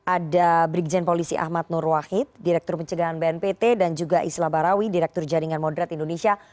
ada brigjen polisi ahmad nur wahid direktur pencegahan bnpt dan juga islah barawi direktur jaringan moderat indonesia